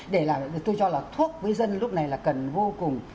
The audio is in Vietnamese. để làm tôi cho là thuốc với dân lúc này là cần vô cùng